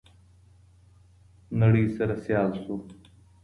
نړۍ سره سيال شو.